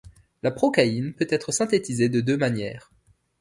La procaïne peut être synthétisée de deux manières.